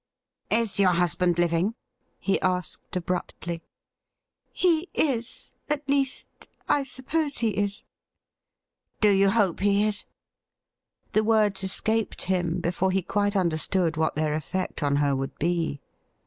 ' Is your husband living .?' he asked abruptly. ' He is — at least, I suppose he is '' Do you hope he is .?' j The words escaped him before he quite understood what their eifect on her Would be.